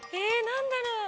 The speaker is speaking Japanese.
何だろう？